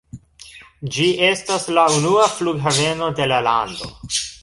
Ĝi estas la unua flughaveno de la lando.